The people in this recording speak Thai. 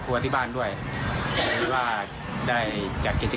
ก็มีขนมจีน